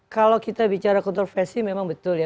kalau kita bicara kontroversi memang betul ya